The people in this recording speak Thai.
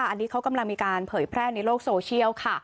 อันนี้เขากำลังมีการเผยแพร่ในโลกโซเชียลค่ะ